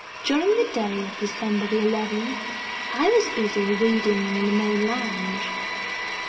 During the day of December 11, I was busy reading in the main lounge.